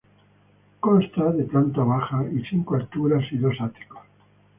Consta de planta baja y cinco alturas y dos áticos.